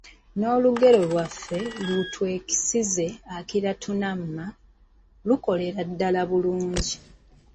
Ng'olugero lwaffe, lu "Twekisize akira tunamma", lukolera ddala bulungi.